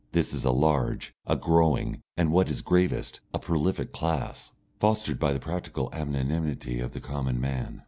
This is a large, a growing, and, what is gravest, a prolific class, fostered by the practical anonymity of the common man.